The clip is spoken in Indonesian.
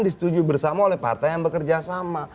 disetujui bersama oleh partai yang bekerja sama